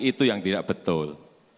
itu yang tidak betul